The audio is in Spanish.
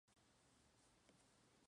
Se entrenan en las torres.